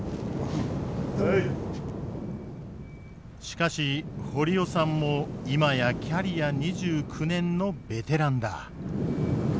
しかし堀尾さんも今やキャリア２９年のベテランだ。